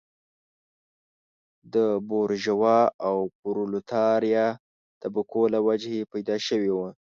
د بورژوا او پرولتاریا طبقو له وجهې پیدا شوی و.